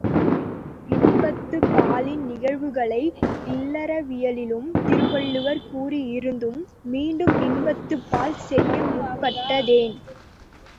இன்பத்துப்பாலின் நிகழ்வுகளை இல்லறவியலிலும் திருவள்ளுவர் கூறியிருந்தும் மீண்டும் இன்பத்துப் பால் செய்யமுற்பட்டதேன்?